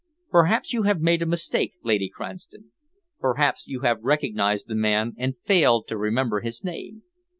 Perhaps you have made a mistake, Lady Cranston. Perhaps you have recognised the man and failed to remember his name.